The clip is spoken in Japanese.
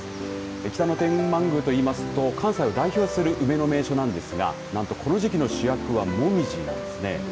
北野天満宮といいますと関西を代表する梅の名所なんですがなんとこの時期の主役はもみじなんですね。